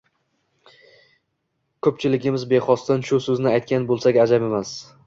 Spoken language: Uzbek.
ko‘pchiligimiz bexosdan shu so‘zni aytgan bo‘lsak ajab emas.